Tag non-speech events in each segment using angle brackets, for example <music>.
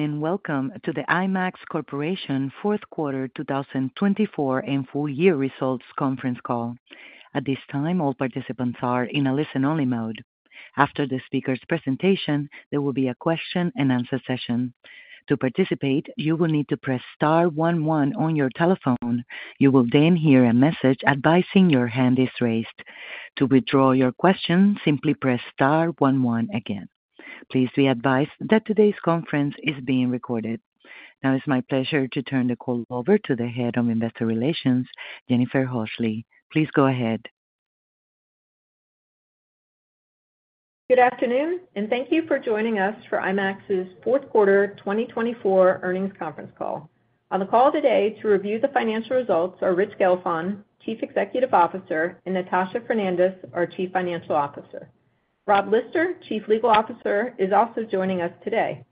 Welcome to the IMAX Corporation Fourth Quarter 2024 and full year Results Conference Call. At this time, all participants are in a listen-only mode. After the speaker's presentation, there will be a question-and-answer session. To participate, you will need to press star one one on your telephone. You will then hear a message advising your hand is raised. To withdraw your question, simply press star one one again. Please be advised that today's conference is being recorded. Now, it's my pleasure to turn the call over to the Head of Investor Relations, Jennifer Horsley. Please go ahead. Good afternoon, and thank you for joining us for IMAX's Fourth Quarter 2024 Earnings Conference Call. On the call today to review the financial results are Rich Gelfond, Chief Executive Officer, and Natasha Fernandes, our Chief Financial Officer. Rob Lister, Chief Legal Officer, is also joining us today.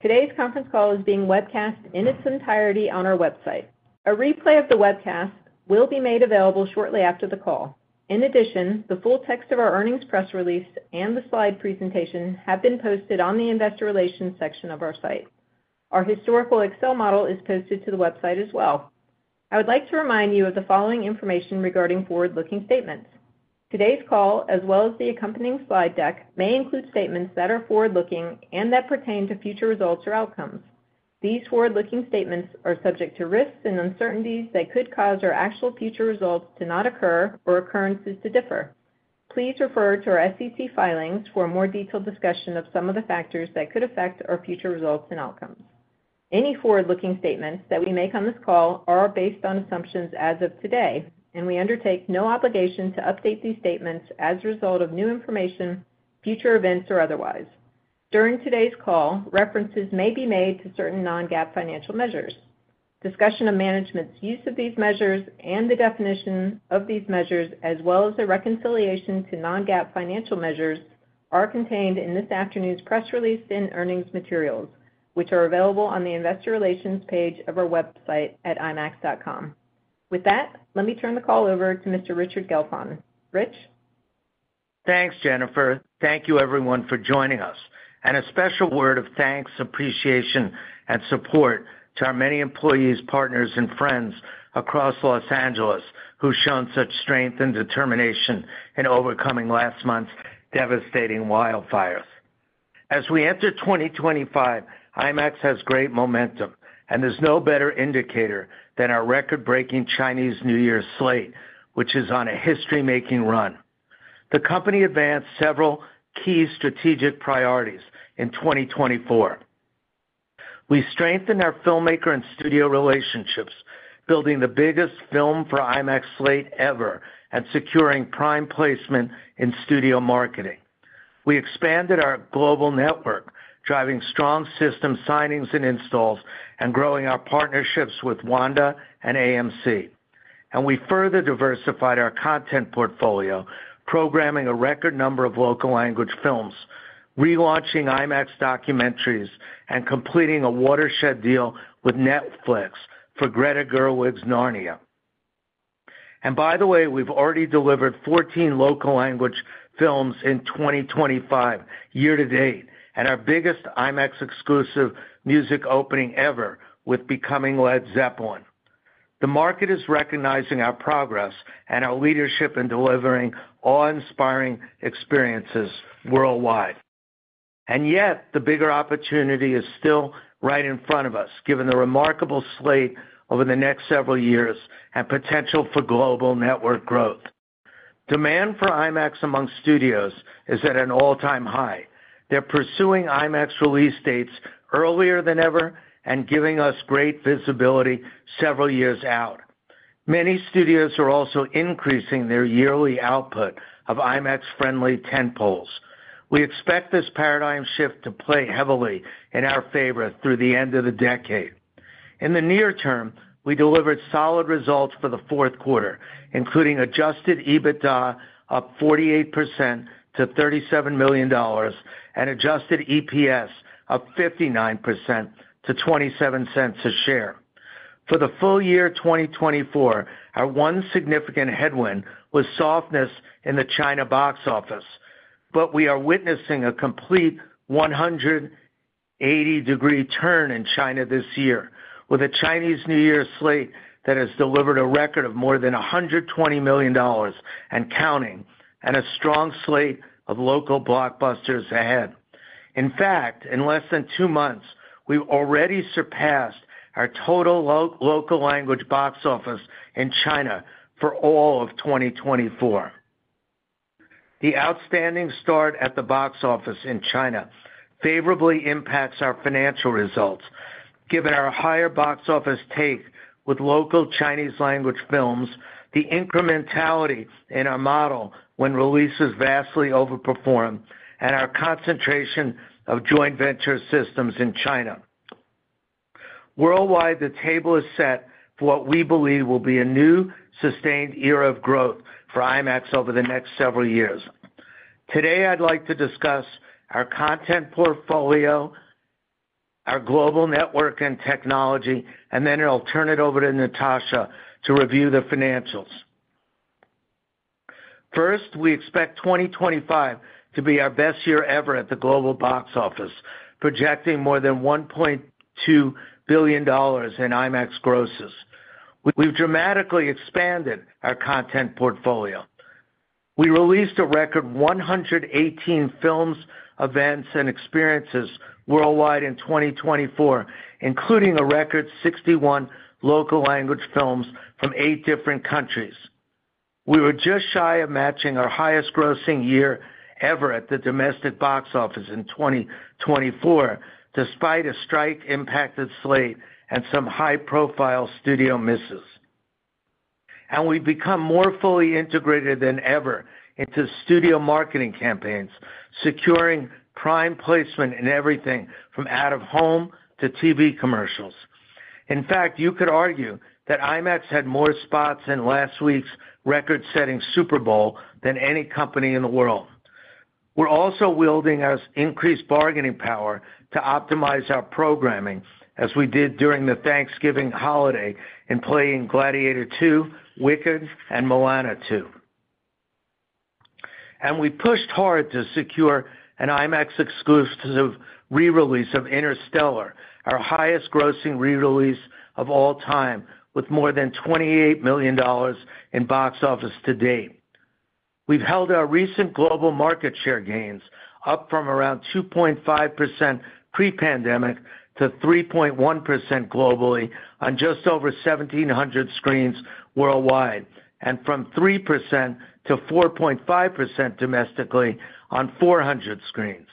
Today's conference call is being webcast in its entirety on our website. A replay of the webcast will be made available shortly after the call. In addition, the full text of our earnings press release and the slide presentation have been posted on the Investor Relations section of our site. Our historical Excel model is posted to the website as well. I would like to remind you of the following information regarding forward-looking statements. Today's call, as well as the accompanying slide deck, may include statements that are forward-looking and that pertain to future results or outcomes. These forward-looking statements are subject to risks and uncertainties that could cause our actual future results to not occur or occurrences to differ. Please refer to our SEC filings for a more detailed discussion of some of the factors that could affect our future results and outcomes. Any forward-looking statements that we make on this call are based on assumptions as of today, and we undertake no obligation to update these statements as a result of new information, future events, or otherwise. During today's call, references may be made to certain non-GAAP financial measures. Discussion of management's use of these measures and the definition of these measures, as well as the reconciliation to non-GAAP financial measures, are contained in this afternoon's press release and earnings materials, which are available on the Investor Relations page of our website at IMAX.com. With that, let me turn the call over to Mr. Richard Gelfond. Rich? Thanks, Jennifer. Thank you, everyone, for joining us. And a special word of thanks, appreciation, and support to our many employees, partners, and friends across Los Angeles who've shown such strength and determination in overcoming last month's devastating wildfires. As we enter 2025, IMAX has great momentum, and there's no better indicator than our record-breaking Chinese New Year's slate, which is on a history-making run. The company advanced several key strategic priorities in 2024. We strengthened our filmmaker and studio relationships, building the biggest film for IMAX slate ever and securing prime placement in studio marketing. We expanded our global network, driving strong system signings and installs and growing our partnerships with Wanda and AMC. And we further diversified our content portfolio, programming a record number of local language films, relaunching IMAX documentaries, and completing a watershed deal with Netflix for Greta Gerwig's Narnia. And by the way, we've already delivered 14 local language films in 2025, year to date, and our biggest IMAX exclusive music opening ever with Becoming Led Zeppelin. The market is recognizing our progress and our leadership in delivering awe-inspiring experiences worldwide. And yet, the bigger opportunity is still right in front of us, given the remarkable slate over the next several years and potential for global network growth. Demand for IMAX among studios is at an all-time high. They're pursuing IMAX release dates earlier than ever and giving us great visibility several years out. Many studios are also increasing their yearly output of IMAX-friendly tentpoles. We expect this paradigm shift to play heavily in our favor through the end of the decade. In the near term, we delivered solid results for the fourth quarter, including Adjusted EBITDA up 48% to $37 million and Adjusted EPS up 59% to $0.27 per share. For full year 2024, our one significant headwind was softness in the China box office, but we are witnessing a complete 180-degree turn in China this year with a Chinese New Year's slate that has delivered a record of more than $120 million and counting and a strong slate of local blockbusters ahead. In fact, in less than two months, we've already surpassed our total local language box office in China for all of 2024. The outstanding start at the box office in China favorably impacts our financial results. Given our higher box office take with local Chinese language films, the incrementality in our model when releases vastly overperform, and our concentration of joint venture systems in China. Worldwide, the table is set for what we believe will be a new sustained era of growth for IMAX over the next several years. Today, I'd like to discuss our content portfolio, our global network and technology, and then I'll turn it over to Natasha to review the financials. First, we expect 2025 to be our best year ever at the global box office, projecting more than $1.2 billion in IMAX grosses. We've dramatically expanded our content portfolio. We released a record 118 films, events, and experiences worldwide in 2024, including a record 61 local language films from eight different countries. We were just shy of matching our highest grossing year ever at the domestic box office in 2024, despite a strike-impacted slate and some high-profile studio misses, and we've become more fully integrated than ever into studio marketing campaigns, securing prime placement in everything from out-of-home to TV commercials. In fact, you could argue that IMAX had more spots in last week's record-setting Super Bowl than any company in the world. We're also wielding our increased bargaining power to optimize our programming, as we did during the Thanksgiving holiday in playing Gladiator 2, Wicked, and Moana 2, and we pushed hard to secure an IMAX exclusive re-release of Interstellar, our highest-grossing re-release of all time, with more than $28 million in box office to date. We've held our recent global market share gains up from around 2.5% pre-pandemic to 3.1% globally on just over 1,700 screens worldwide and from 3%-4.5% domestically on 400 screens.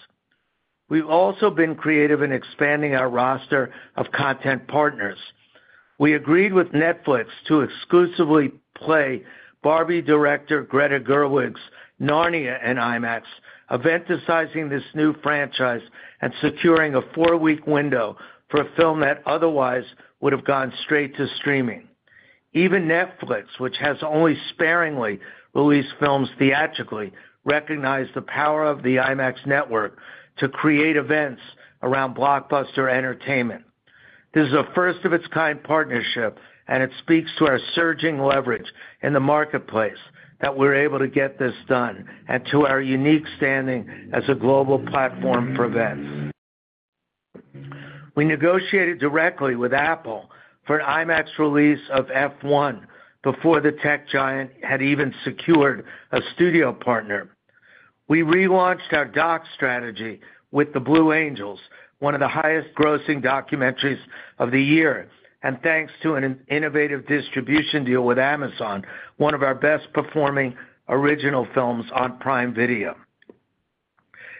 We've also been creative in expanding our roster of content partners. We agreed with Netflix to exclusively play Barbie director Greta Gerwig's Narnia in IMAX, eventicizing this new franchise and securing a four-week window for a film that otherwise would have gone straight to streaming. Even Netflix, which has only sparingly released films theatrically, recognized the power of the IMAX network to create events around blockbuster entertainment. This is a first-of-its-kind partnership, and it speaks to our surging leverage in the marketplace that we're able to get this done and to our unique standing as a global platform for events. We negotiated directly with Apple for an IMAX release of F1 before the tech giant had even secured a studio partner. We relaunched our doc strategy with The Blue Angels, one of the highest-grossing documentaries of the year, and thanks to an innovative distribution deal with Amazon, one of our best-performing original films on Prime Video.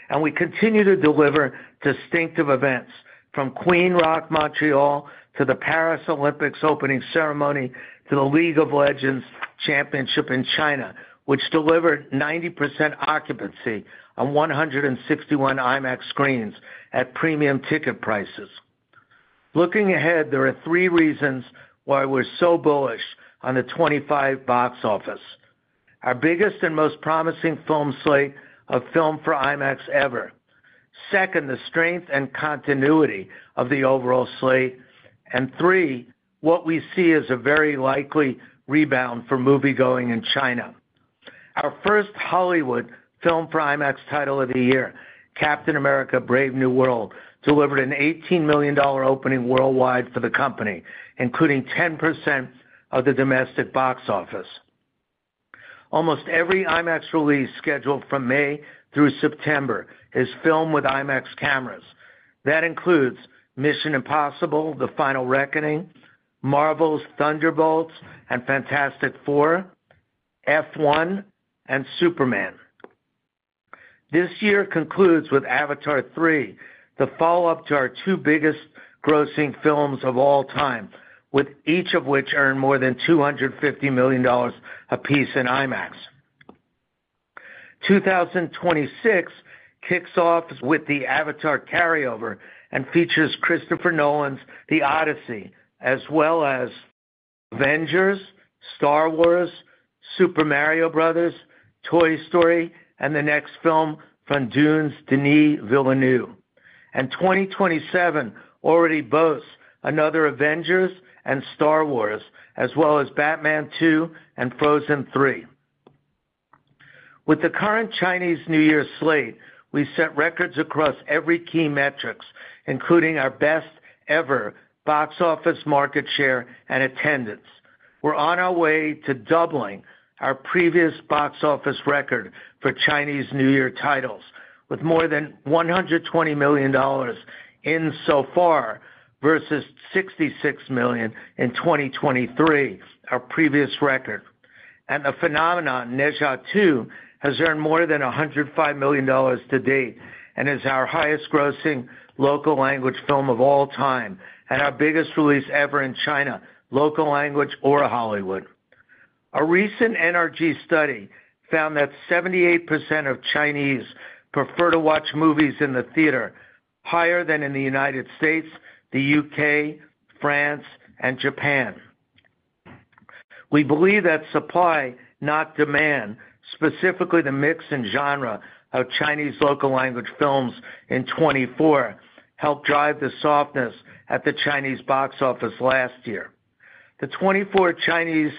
And we continue to deliver distinctive events from Queen Rock Montreal to the Paris Olympics opening ceremony, to the League of Legends Championship in China, which delivered 90% occupancy on 161 IMAX screens at premium ticket prices. Looking ahead, there are three reasons why we're so bullish on the 2025 box office: our biggest and most promising film slate of Filmed for IMAX ever; second, the strength and continuity of the overall slate; and three, what we see as a very likely rebound for moviegoing in China. Our first Hollywood Filmed for IMAX title of the year, Captain America: Brave New World, delivered an $18 million opening worldwide for the company, including 10% of the domestic box office. Almost every IMAX release scheduled from May through September is filmed with IMAX cameras. That includes Mission: Impossible, The Final Reckoning, Marvel's Thunderbolts, and Fantastic Four, F1, and Superman. This year concludes with Avatar 3, the follow-up to our two biggest-grossing films of all time, with each of which earned more than $250 million apiece in IMAX. 2026 kicks off with the Avatar carryover and features Christopher Nolan's The Odyssey, as well as Avengers, Star Wars, Super Mario Bros., Toy Story, and the next film from Dune's Denis Villeneuve. And 2027 already boasts another Avengers and Star Wars, as well as Batman 2 and Frozen 3. With the current Chinese New Year's slate, we set records across every key metrics, including our best-ever box office market share and attendance. We're on our way to doubling our previous box office record for Chinese New Year titles, with more than $120 million in so far versus $66 million in 2023, our previous record. The phenomenon Ne Zha 2 has earned more than $105 million to date and is our highest-grossing local language film of all time and our biggest release ever in China, local language or Hollywood. A recent NRG study found that 78% of Chinese prefer to watch movies in the theater, higher than in the United States, the U.K., France, and Japan. We believe that supply, not demand, specifically the mix and genre of Chinese local language films in 2024 helped drive the softness at the Chinese box office last year. The 2024 Chinese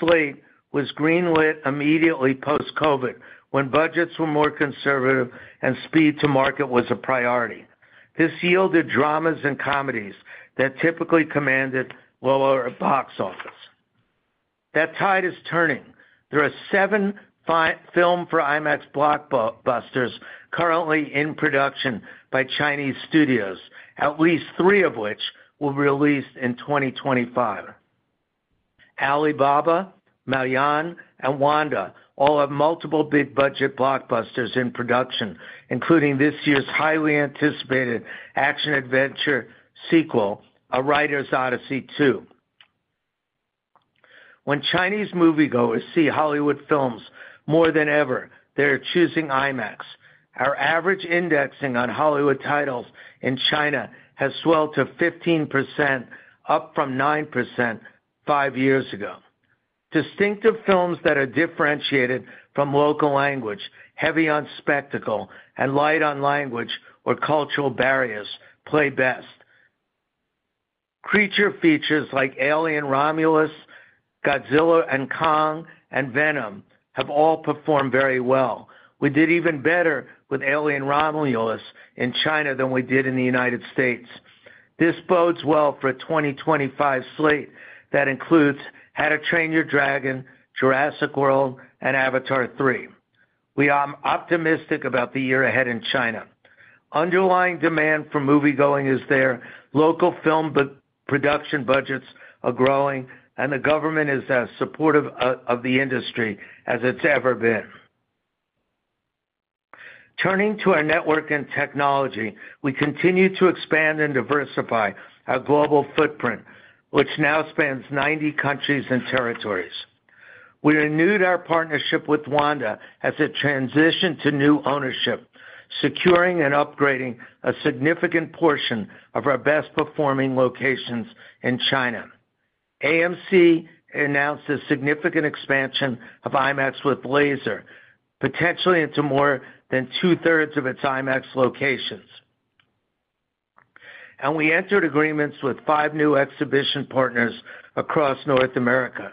slate was greenlit immediately post-COVID when budgets were more conservative and speed to market was a priority. This yielded dramas and comedies that typically commanded lower box office. That tide is turning. There are seven Filmed for IMAX blockbusters currently in production by Chinese studios, at least three of which will be released in 2025. Alibaba, Maoyan, and Wanda all have multiple big-budget blockbusters in production, including this year's highly anticipated action-adventure sequel, A Writer's Odyssey 2. When Chinese moviegoers see Hollywood films more than ever, they're choosing IMAX. Our average indexing on Hollywood titles in China has swelled to 15%, up from 9% five years ago. Distinctive films that are differentiated from local language, heavy on spectacle, and light on language or cultural barriers play best. Creature features like Alien: Romulus, Godzilla and Kong, and Venom have all performed very well. We did even better with Alien: Romulus in China than we did in the United States. This bodes well for a 2025 slate that includes How to Train Your Dragon, Jurassic World, and Avatar 3. We are optimistic about the year ahead in China. Underlying demand for moviegoing is there. Local film production budgets are growing, and the government is as supportive of the industry as it's ever been. Turning to our network and technology, we continue to expand and diversify our global footprint, which now spans 90 countries and territories. We renewed our partnership with Wanda as it transitioned to new ownership, securing and upgrading a significant portion of our best-performing locations in China. AMC announced a significant expansion of IMAX with Laser, potentially into more than two-thirds of its IMAX locations, and we entered agreements with five new exhibition partners across North America.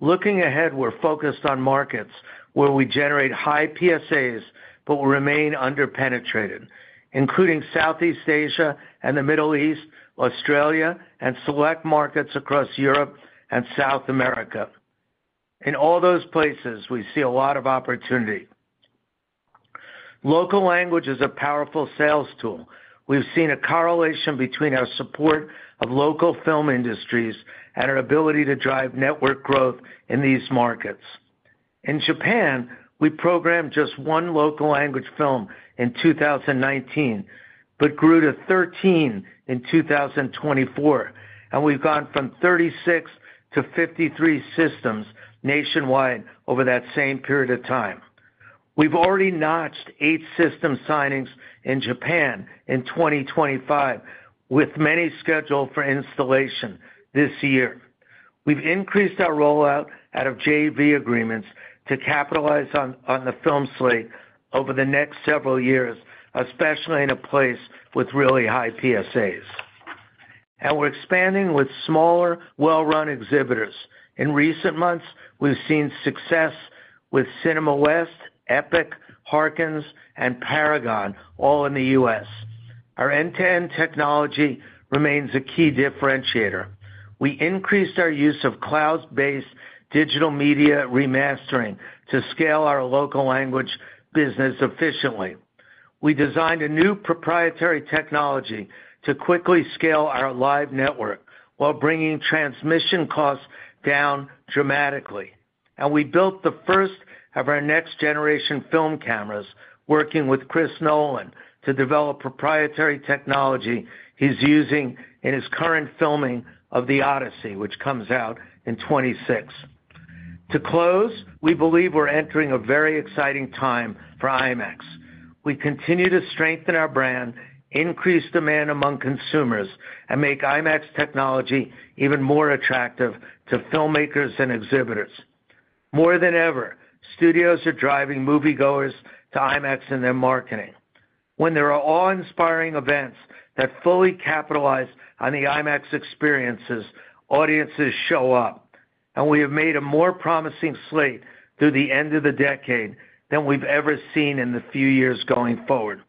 Looking ahead, we're focused on markets where we generate high PSAs but will remain underpenetrated, including Southeast Asia and the Middle East, Australia, and select markets across Europe and South America. In all those places, we see a lot of opportunity. Local language is a powerful sales tool. We've seen a correlation between our support of local film industries and our ability to drive network growth in these markets. In Japan, we programmed just one local language film in 2019 but grew to 13 in 2024, and we've gone from 36 to 53 systems nationwide over that same period of time. We've already notched eight system signings in Japan in 2025, with many scheduled for installation this year. We've increased our rollout of JV agreements to capitalize on the film slate over the next several years, especially in a place with really high PSAs, and we're expanding with smaller, well-run exhibitors. In recent months, we've seen success with Cinema West, Epic, Harkins, and Paragon, all in the U.S. Our end-to-end technology remains a key differentiator. We increased our use of cloud-based digital media remastering to scale our local language business efficiently. We designed a new proprietary technology to quickly scale our live network while bringing transmission costs down dramatically, and we built the first of our next-generation film cameras, working with Chris Nolan to develop proprietary technology he's using in his current filming of The Odyssey, which comes out in 2026. To close, we believe we're entering a very exciting time for IMAX. We continue to strengthen our brand, increase demand among consumers, and make IMAX technology even more attractive to filmmakers and exhibitors. More than ever, studios are driving moviegoers to IMAX in their marketing. When there are awe-inspiring events that fully capitalize on the IMAX experiences, audiences show up, and we have made a more promising slate through the end of the decade than we've ever seen in the few years going forward.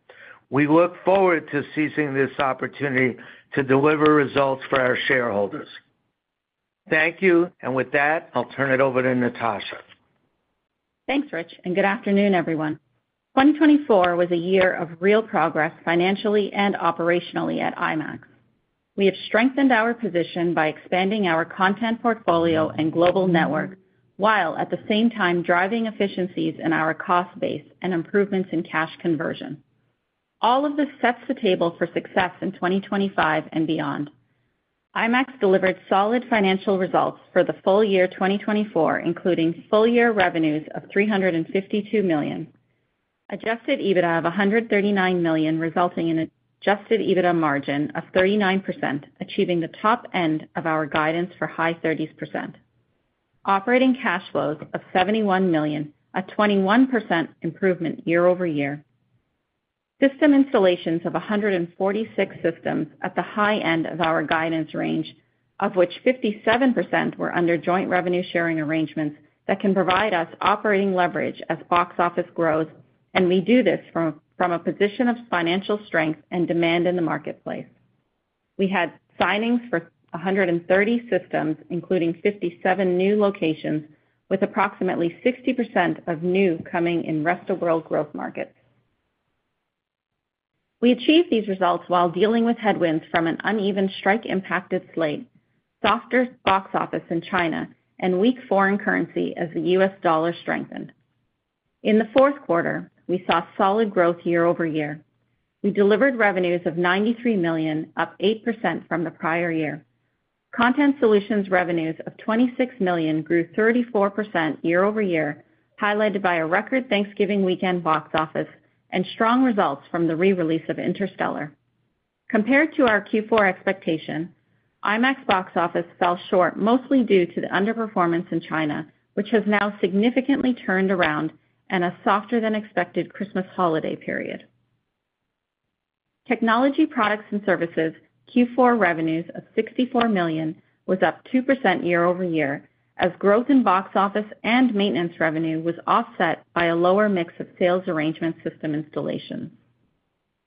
We look forward to seizing this opportunity to deliver results for our shareholders. Thank you, and with that, I'll turn it over to Natasha. Thanks, Rich, and good afternoon, everyone. 2024 was a year of real progress financially and operationally at IMAX. We have strengthened our position by expanding our content portfolio and global network while at the same time driving efficiencies in our cost base and improvements in cash conversion. All of this sets the table for success in 2025 and beyond. IMAX delivered solid financial results for full year 2024, including full-year revenues of $352 million, Adjusted EBITDA of $139 million, resulting in an Adjusted EBITDA margin of 39%, achieving the top end of our guidance for high 30%, operating cash flows of $71 million, a 21% improvement year-over-year, system installations of 146 systems at the high end of our guidance range, of which 57% were under joint revenue-sharing arrangements that can provide us operating leverage as box office grows, and we do this from a position of financial strength and demand in the marketplace. We had signings for 130 systems, including 57 new locations, with approximately 60% of new coming in rest-of-world growth markets. We achieved these results while dealing with headwinds from an uneven strike-impacted slate, softer box office in China, and weak foreign currency as the U.S. dollar strengthened. In the fourth quarter, we saw solid growth year-over-year. We delivered revenues of $93 million, up 8% from the prior year. Content Solutions' revenues of $26 million grew 34% year-over-year, highlighted by a record Thanksgiving weekend box office and strong results from the re-release of Interstellar. Compared to our Q4 expectation, IMAX box office fell short mostly due to the underperformance in China, which has now significantly turned around in a softer-than-expected Christmas holiday period. Technology Products and Services' Q4 revenues of $64 million was up 2% year-over-year, as growth in box office and maintenance revenue was offset by a lower mix of sales arrangements system installations.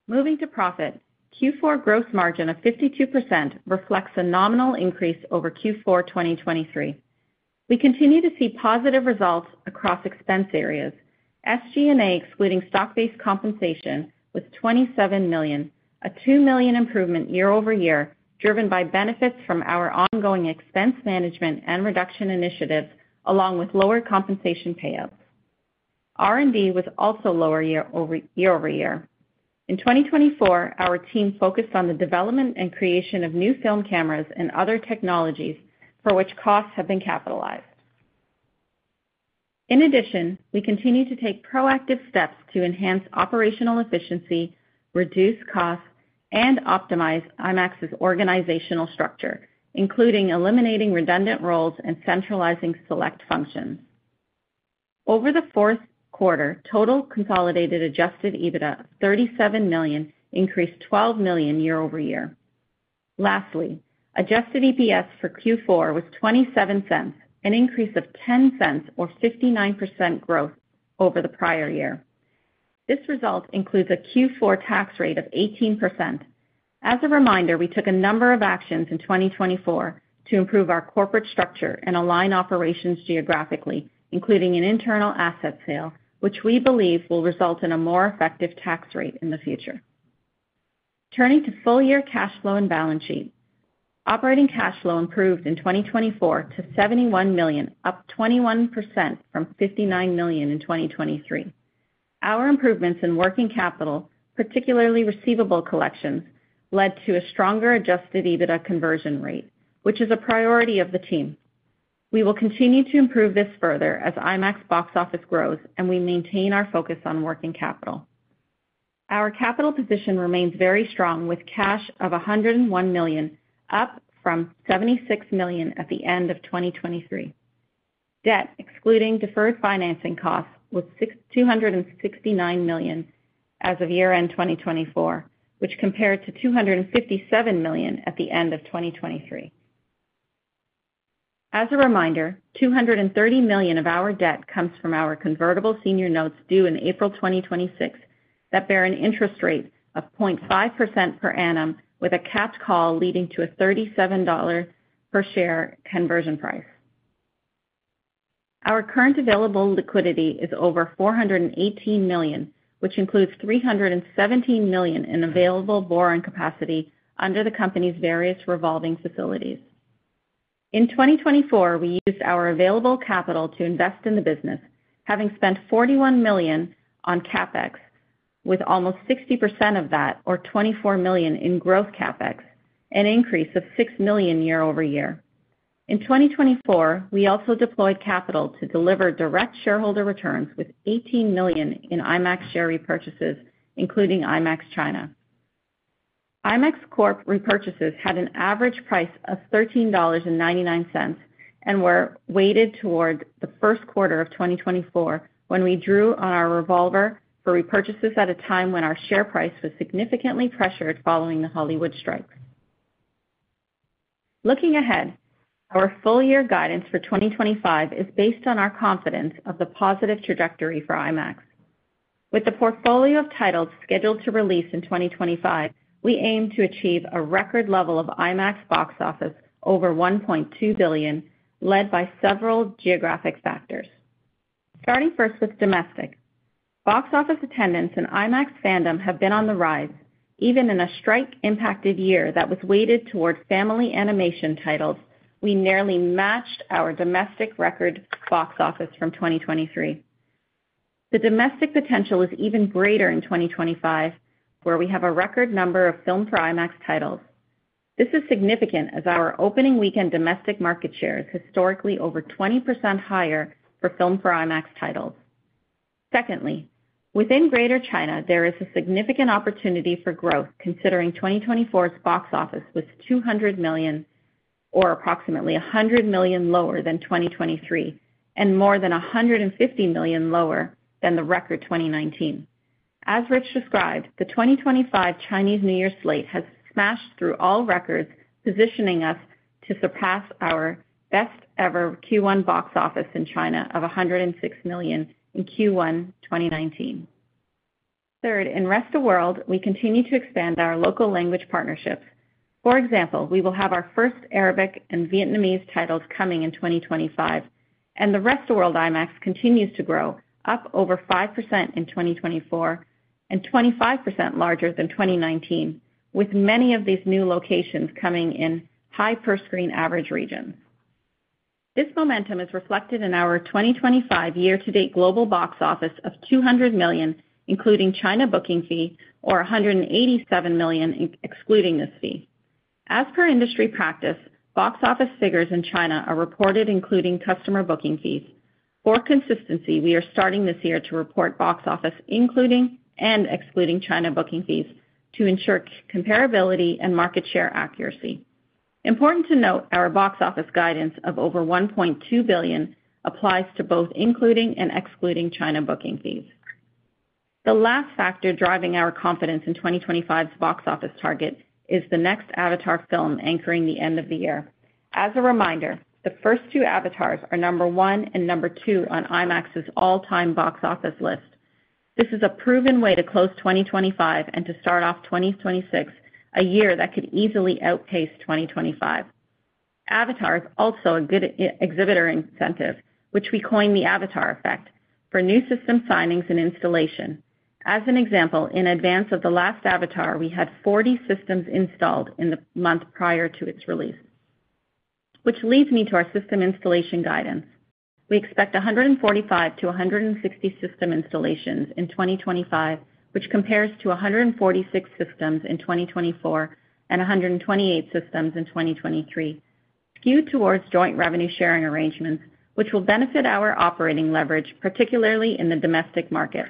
Moving to profit, Q4 gross margin of 52% reflects a nominal increase over Q4 2023. We continue to see positive results across expense areas. SG&A excluding stock-based compensation was $27 million, a $2 million improvement year-over-year, driven by benefits from our ongoing expense management and reduction initiatives, along with lower compensation payouts. R&D was also lower year-over-year. In 2024, our team focused on the development and creation of new film cameras and other technologies for which costs have been capitalized. In addition, we continue to take proactive steps to enhance operational efficiency, reduce costs, and optimize IMAX's organizational structure, including eliminating redundant roles and centralizing select functions. Over the fourth quarter, total consolidated Adjusted EBITDA of $37 million increased $12 million year-over-year. Lastly, Adjusted EPS for Q4 was $0.27, an increase of $0.10 or 59% growth over the prior year. This result includes a Q4 tax rate of 18%. As a reminder, we took a number of actions in 2024 to improve our corporate structure and align operations geographically, including an internal asset sale, which we believe will result in a more effective tax rate in the future. Turning to full-year cash flow and balance sheet, operating cash flow improved in 2024 to $71 million, up 21% from $59 million in 2023. Our improvements in working capital, particularly receivable collections, led to a stronger Adjusted EBITDA conversion rate, which is a priority of the team. We will continue to improve this further as IMAX box office grows and we maintain our focus on working capital. Our capital position remains very strong with cash of $101 million, up from $76 million at the end of 2023. Debt, excluding deferred financing costs, was $269 million as of year-end 2024, which compared to $257 million at the end of 2023. As a reminder, $230 million of our debt comes from our convertible senior notes due in April 2026 that bear an interest rate of 0.5% per annum, with a capped call leading to a $37 per share conversion price. Our current available liquidity is over $418 million, which includes $317 million in available borrowing capacity under the company's various revolving facilities. In 2024, we used our available capital to invest in the business, having spent $41 million on CapEx, with almost 60% of that, or $24 million, in growth CapEx, an increase of $6 million year-over-year. In 2024, we also deployed capital to deliver direct shareholder returns with $18 million in IMAX share repurchases, including IMAX China. IMAX Corp repurchases had an average price of $13.99 and were weighted toward the first quarter of 2024 when we drew on our revolver for repurchases at a time when our share price was significantly pressured following the Hollywood strikes. Looking ahead, our full-year guidance for 2025 is based on our confidence of the positive trajectory for IMAX. With the portfolio of titles scheduled to release in 2025, we aim to achieve a record level of IMAX box office over $1.2 billion, led by several geographic factors. Starting first with domestic, box office attendance and IMAX fandom have been on the rise. Even in a strike-impacted year that was weighted toward family animation titles, we nearly matched our domestic record box office from 2023. The domestic potential is even greater in 2025, where we have a record number of Filmed for IMAX titles. This is significant as our opening weekend domestic market share is historically over 20% higher for Filmed for IMAX titles. Secondly, within Greater China, there is a significant opportunity for growth, considering 2024's box office was $200 million, or approximately $100 million lower than 2023, and more than $150 million lower than the record 2019. As Rich described, the 2025 Chinese New Year slate has smashed through all records, positioning us to surpass our best-ever Q1 box office in China of $106 million in Q1 2019. Third, in rest-of-world, we continue to expand our local language partnerships. For example, we will have our first Arabic and Vietnamese titles coming in 2025, and the rest-of-world IMAX continues to grow, up over 5% in 2024 and 25% larger than 2019, with many of these new locations coming in high per-screen average regions. This momentum is reflected in our 2025 year-to-date global box office of $200 million, including China booking fee, or $187 million excluding this fee. As per industry practice, box office figures in China are reported, including customer booking fees. For consistency, we are starting this year to report box office, including and excluding China booking fees, to ensure comparability and market share accuracy. Important to note, our box office guidance of over $1.2 billion applies to both including and excluding China booking fees. The last factor driving our confidence in 2025's box office target is the next Avatar film anchoring the end of the year. As a reminder, the first two Avatars are number one and number two on IMAX's all-time box office list. This is a proven way to close 2025 and to start off 2026 a year that could easily outpace 2025. Avatar is also a good exhibitor incentive, which we coined the Avatar Effect, for new system signings and installation. As an example, in advance of the last Avatar, we had 40 systems installed in the month prior to its release. Which leads me to our system installation guidance. We expect 145-160 system installations in 2025, which compares to 146 systems in 2024 and 128 systems in 2023, skewed towards joint revenue-sharing arrangements, which will benefit our operating leverage, particularly in the domestic market.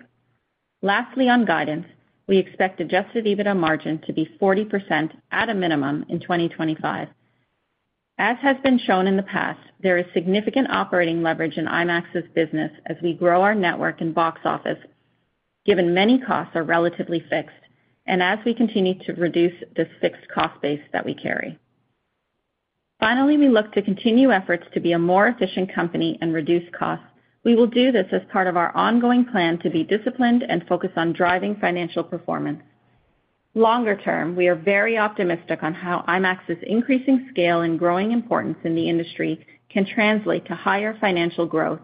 Lastly, on guidance, we expect Adjusted EBITDA margin to be 40% at a minimum in 2025. As has been shown in the past, there is significant operating leverage in IMAX's business as we grow our network and box office, given many costs are relatively fixed, and as we continue to reduce this fixed cost base that we carry. Finally, we look to continue efforts to be a more efficient company and reduce costs. We will do this as part of our ongoing plan to be disciplined and focus on driving financial performance. Longer term, we are very optimistic on how IMAX's increasing scale and growing importance in the industry can translate to higher financial growth.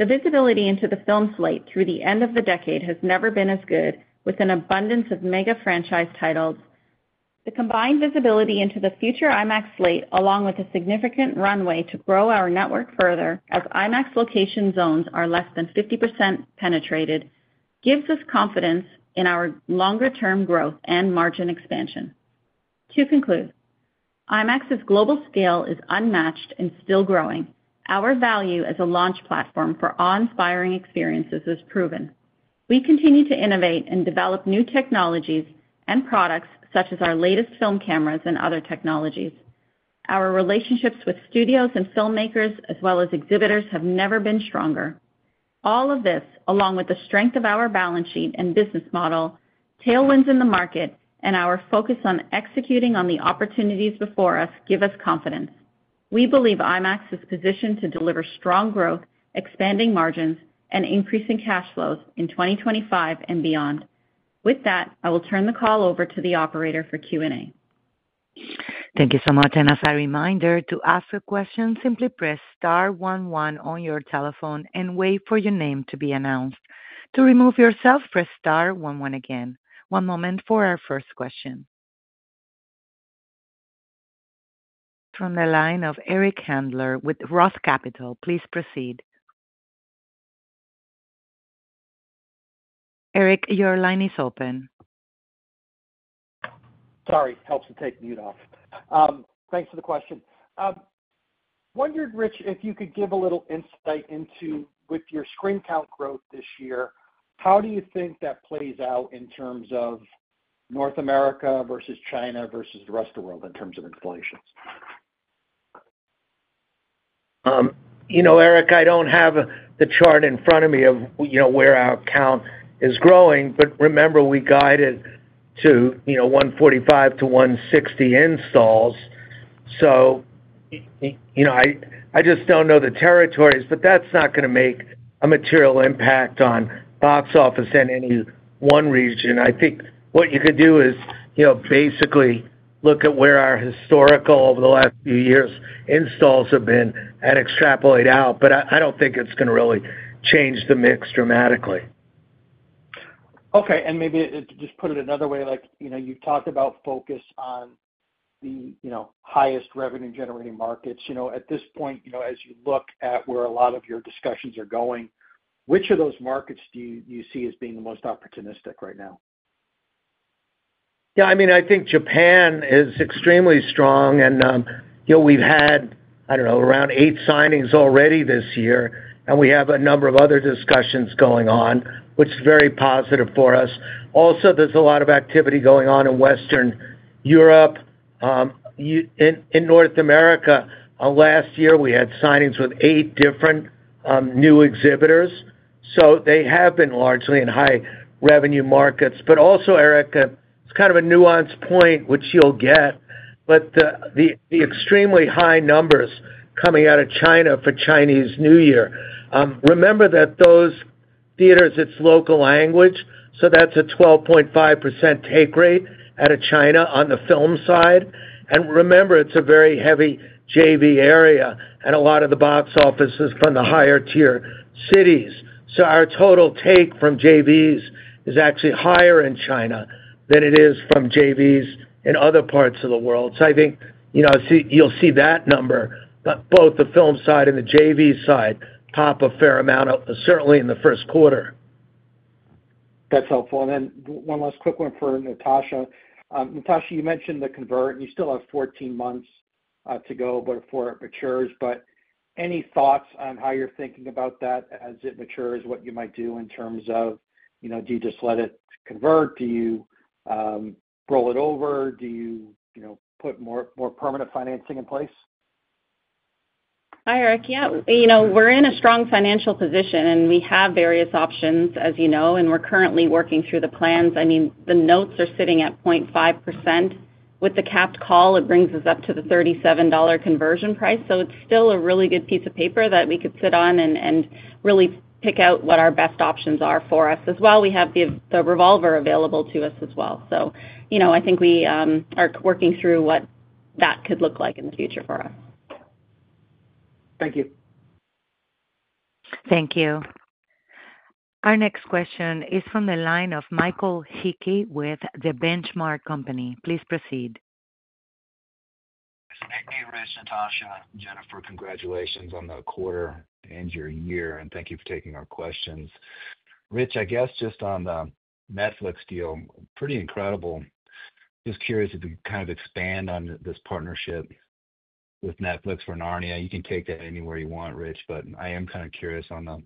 The visibility into the film slate through the end of the decade has never been as good, with an abundance of mega franchise titles. The combined visibility into the future IMAX slate, along with a significant runway to grow our network further as IMAX location zones are less than 50% penetrated, gives us confidence in our longer-term growth and margin expansion. To conclude, IMAX's global scale is unmatched and still growing. Our value as a launch platform for awe-inspiring experiences is proven. We continue to innovate and develop new technologies and products, such as our latest film cameras and other technologies. Our relationships with studios and filmmakers, as well as exhibitors, have never been stronger. All of this, along with the strength of our balance sheet and business model, tailwinds in the market, and our focus on executing on the opportunities before us, give us confidence. We believe IMAX is positioned to deliver strong growth, expanding margins, and increasing cash flows in 2025 and beyond. With that, I will turn the call over to the operator for Q&A. Thank you so much. And as a reminder, to ask a question, simply press star one one on your telephone and wait for your name to be announced. To remove yourself, press star one one again. One moment for our first question. From the line of Eric Handler with Roth Capital, please proceed. Eric, your line is open. Sorry, helps to take the mute off. Thanks for the question. Wondered, Rich, if you could give a little insight into, with your screen count growth this year, how do you think that plays out in terms of North America versus China versus the rest of the world in terms of installations? You know, Eric, I don't have the chart in front of me of where our count is growing, but remember, we guided to 145-160 installs. So I just don't know the territories, but that's not going to make a material impact on box office in any one region. I think what you could do is basically look at where our historical, over the last few years, installs have been and extrapolate out, but I don't think it's going to really change the mix dramatically. Okay. Maybe just put it another way, like you've talked about focus on the highest revenue-generating markets. At this point, as you look at where a lot of your discussions are going, which of those markets do you see as being the most opportunistic right now? Yeah, I mean, I think Japan is extremely strong, and we've had, I don't know, around eight signings already this year, and we have a number of other discussions going on, which is very positive for us. Also, there's a lot of activity going on in Western Europe. In North America, last year, we had signings with eight different new exhibitors, so they have been largely in high-revenue markets. But also, Eric, it's kind of a nuanced point, which you'll get, but the extremely high numbers coming out of China for Chinese New Year. Remember that those theaters, it's local language, so that's a 12.5% take rate out of China on the film side. And remember, it's a very heavy JV area, and a lot of the box office is from the higher-tier cities. So our total take from JVs is actually higher in China than it is from JVs in other parts of the world. So I think you'll see that number, but both the film side and the JV side top a fair amount, certainly in the first quarter. That's helpful. And then one last quick one for Natasha. Natasha, you mentioned the convert, and you still have 14 months to go before it matures. But any thoughts on how you're thinking about that as it matures, what you might do in terms of, do you just let it convert? Do you roll it over? Do you put more permanent financing in place? Hi, Eric. Yeah, we're in a strong financial position, and we have various options, as you know, and we're currently working through the plans. I mean, the notes are sitting at 0.5%. With the capped call, it brings us up to the $37 conversion price, so it's still a really good piece of paper that we could sit on and really pick out what our best options are for us. As well, we have the revolver available to us as well. So I think we are working through what that could look like in the future for us. Thank you. Thank you. Our next question is from the line of Michael Hickey with The Benchmark Company. Please proceed. This is Nick Neighbors, Natasha, and Jennifer. Congratulations on the quarter and your year, and thank you for taking our questions. Rich, I guess just on the Netflix deal, pretty incredible. Just curious if you could kind of expand on this partnership with Netflix for Narnia. You can take that anywhere you want, Rich, but I am kind of curious on the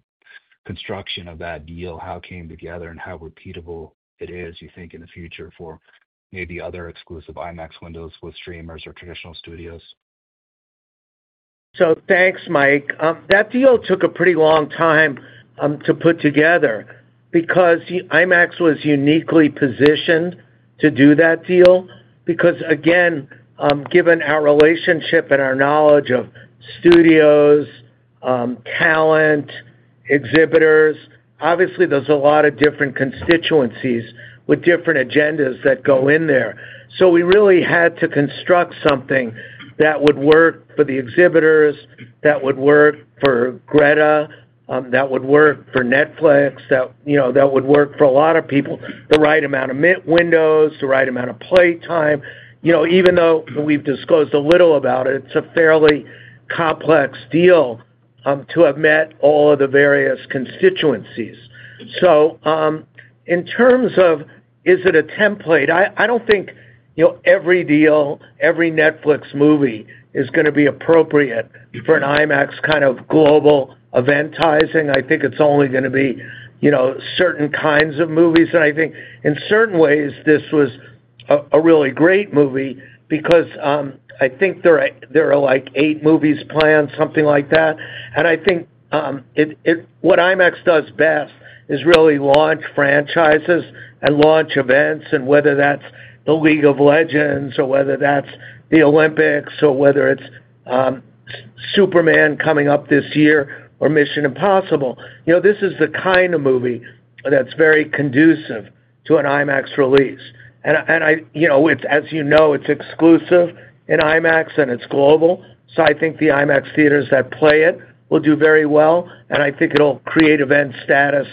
construction of that deal, how it came together, and how repeatable it is, you think, in the future for maybe other exclusive IMAX windows with streamers or traditional studios. So thanks, Mike. That deal took a pretty long time to put together because IMAX was uniquely positioned to do that deal because, again, given our relationship and our knowledge of studios, talent, exhibitors, obviously, there's a lot of different constituencies with different agendas that go in there. So we really had to construct something that would work for the exhibitors, that would work for Greta, that would work for Netflix, that would work for a lot of people, the right amount of windows, the right amount of playtime. Even though we've disclosed a little about it, it's a fairly complex deal to have met all of the various constituencies. So in terms of, is it a template? I don't think every deal, every Netflix movie is going to be appropriate for an IMAX kind of global eventizing. I think it's only going to be certain kinds of movies. And I think, in certain ways, this was a really great movie because I think there are like eight movies planned, something like that. I think what IMAX does best is really launch franchises and launch events, and whether that's The League of Legends or whether that's the Olympics or whether it's Superman coming up this year or Mission Impossible. This is the kind of movie that's very conducive to an IMAX release. And as you know, it's exclusive in IMAX, and it's global. So I think the IMAX theaters that play it will do very well, and I think it'll create event status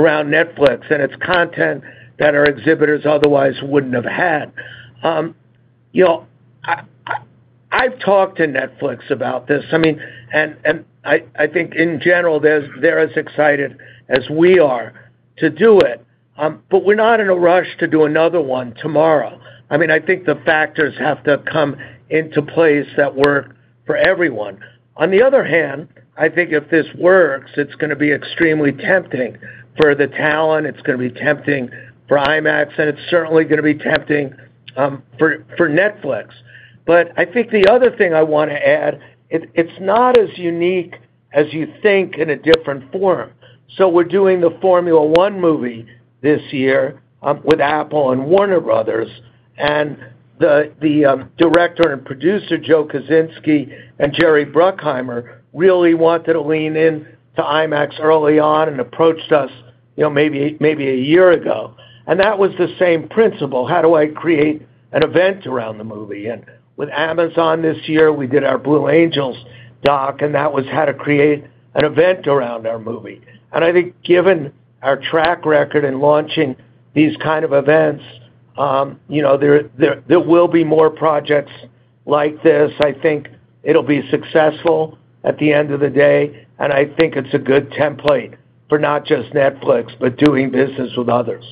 around Netflix and its content that our exhibitors otherwise wouldn't have had. I've talked to Netflix about this. I mean, and I think, in general, they're as excited as we are to do it, but we're not in a rush to do another one tomorrow. I mean, I think the factors have to come into place that work for everyone. On the other hand, I think if this works, it's going to be extremely tempting for the talent. It's going to be tempting for IMAX, and it's certainly going to be tempting for Netflix. But I think the other thing I want to add, it's not as unique as you think in a different form. So we're doing the Formula 1 movie this year with Apple and Warner Bros., and the director and producer, Joseph Kosinski, and Jerry Bruckheimer really wanted to lean into IMAX early on and approached us maybe a year ago. And that was the same principle: how do I create an event around the movie? And with Amazon this year, we did our Blue Angels doc, and that was how to create an event around our movie. And I think given our track record in launching these kinds of events, there will be more projects like this. I think it'll be successful at the end of the day, and I think it's a good template for not just Netflix, but doing business with others.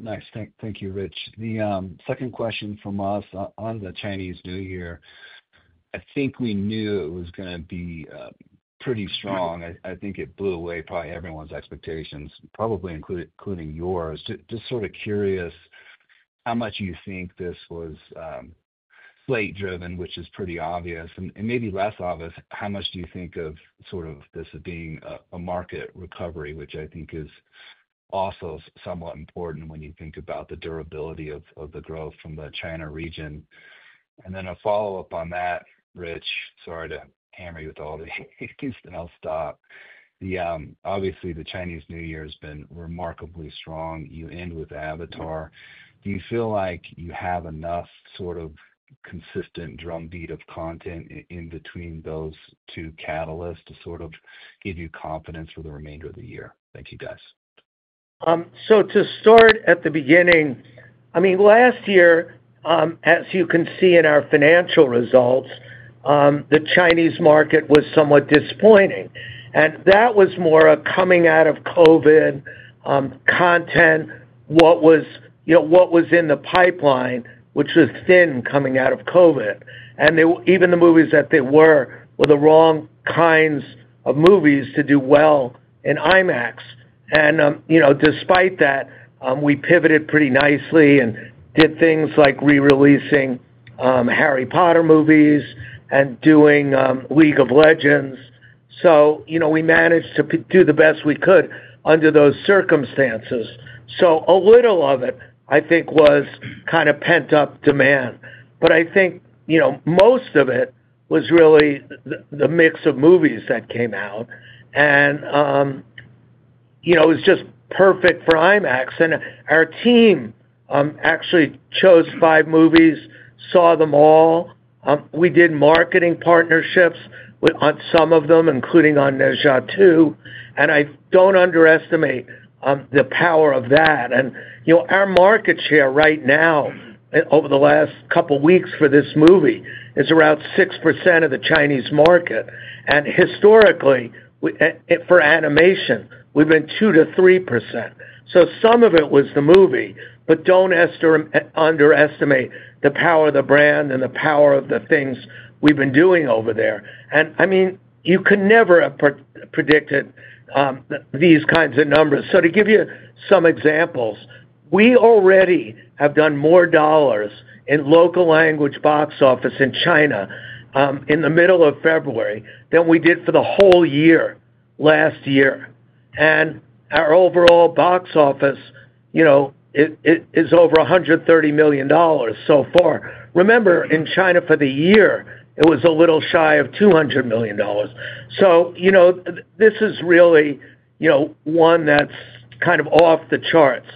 Nice. Thank you, Rich. The second question from us on the Chinese New Year.I think we knew it was going to be pretty strong. I think it blew away probably everyone's expectations, probably including yours. Just sort of curious how much you think this was slate-driven, which is pretty obvious. And maybe less obvious, how much do you think of sort of this as being a market recovery, which I think is also somewhat important when you think about the durability of the growth from the China region? And then a follow-up on that, Rich, sorry to hammer you with all the asks, and I'll stop. Obviously, the Chinese New Year has been remarkably strong. You end with Avatar. Do you feel like you have enough sort of consistent drumbeat of content in between those two catalysts to sort of give you confidence for the remainder of the year? Thank you, guys. So to start at the beginning, I mean, last year, as you can see in our financial results, the Chinese market was somewhat disappointing. And that was more a coming-out-of-COVID content, what was in the pipeline, which was thin coming out of COVID. And even the movies that there were were the wrong kinds of movies to do well in IMAX. And despite that, we pivoted pretty nicely and did things like re-releasing Harry Potter movies and doing League of Legends. So we managed to do the best we could under those circumstances. So a little of it, I think, was kind of pent-up demand. But I think most of it was really the mix of movies that came out, and it was just perfect for IMAX. And our team actually chose five movies, saw them all. We did marketing partnerships on some of them, including on Ne Zha 2, and I don't underestimate the power of that. And our market share right now, over the last couple of weeks for this movie, is around 6% of the Chinese market. And historically, for animation, we've been 2%-3%. So some of it was the movie, but don't underestimate the power of the brand and the power of the things we've been doing over there. And I mean, you could never have predicted these kinds of numbers. So, to give you some examples, we already have done more dollars in local-language box office in China in the middle of February than we did for the whole year last year. And our overall box office, it is over $130 million so far. Remember, in China for the year, it was a little shy of $200 million. So this is really one that's kind of off the charts.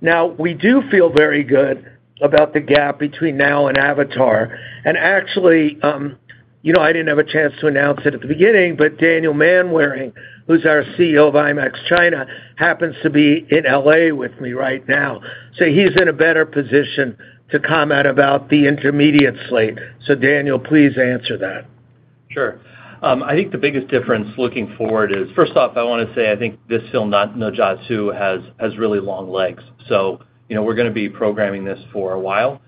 Now, we do feel very good about the gap between now and Avatar. And actually, I didn't have a chance to announce it at the beginning, but Daniel Manwaring, who's our CEO of IMAX China, happens to be in LA with me right now. So he's in a better position to comment about the intermediate slate. So Daniel, please answer that. Sure. I think the biggest difference looking forward is, first off, I want to say I think this film, Ne Zha 2, has really long legs. So we're going to be programming this for a while.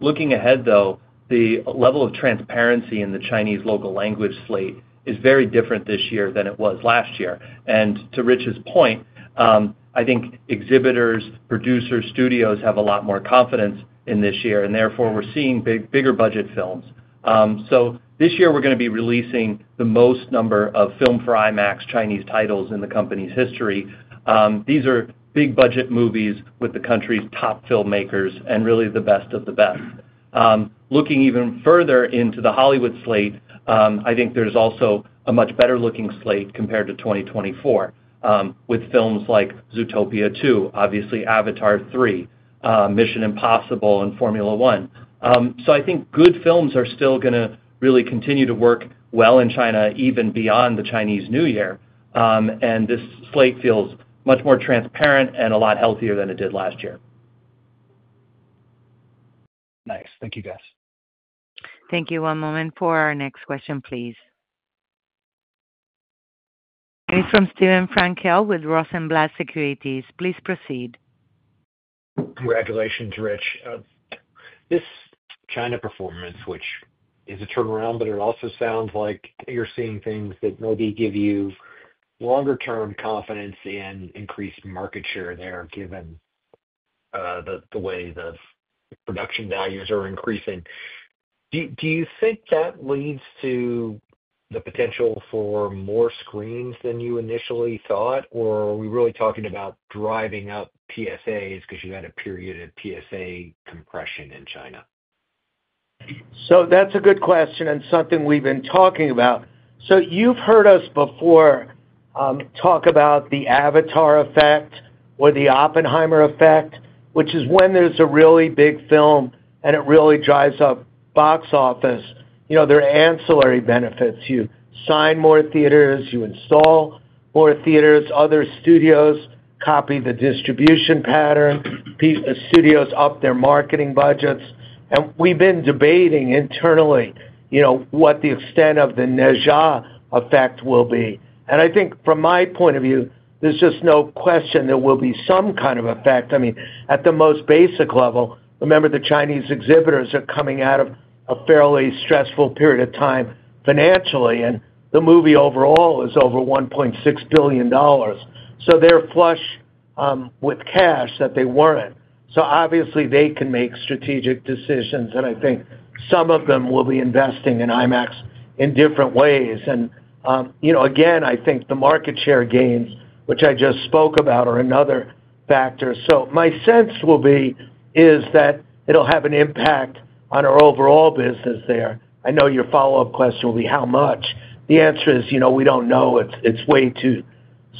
Looking ahead, though, the level of transparency in the Chinese local-language slate is very different this year than it was last year. And to Rich's point, I think exhibitors, producers, studios have a lot more confidence in this year, and therefore, we're seeing bigger-budget films. So this year, we're going to be releasing the most number of Filmed for IMAX Chinese titles in the company's history. These are big-budget movies with the country's top filmmakers and really the best of the best. Looking even further into the Hollywood slate, I think there's also a much better-looking slate compared to 2024 with films like Zootopia 2, obviously Avatar 3, Mission Impossible, and Formula 1. I think good films are still going to really continue to work well in China even beyond the Chinese New Year, and this slate feels much more transparent and a lot healthier than it did last year. Nice. Thank you, guys. Thank you. One moment for our next question, please. It is from Steven Frankel with Rosenblatt Securities. Please proceed. Congratulations, Rich. This China performance, which is a turnaround, but it also sounds like you're seeing things that maybe give you longer-term confidence and increased market share there given the way the production values are increasing. Do you think that leads to the potential for more screens than you initially thought, or are we really talking about driving up PSAs because you had a period of PSA compression in China? That's a good question and something we've been talking about. You've heard us before talk about the Avatar effect or the Oppenheimer effect, which is when there's a really big film and it really drives up box office. There are ancillary benefits. You sign more theaters. You install more theaters. Other studios copy the distribution pattern. Studios up their marketing budgets. We've been debating internally what the extent of the Ne Zha effect will be. I think from my point of view, there's just no question there will be some kind of effect. I mean, at the most basic level, remember the Chinese exhibitors are coming out of a fairly stressful period of time financially, and the movie overall is over $1.6 billion. They're flush with cash that they weren't. Obviously, they can make strategic decisions, and I think some of them will be investing in IMAX in different ways. And again, I think the market share gains, which I just spoke about, are another factor. So my sense will be is that it'll have an impact on our overall business there. I know your follow-up question will be how much. The answer is we don't know. It's way too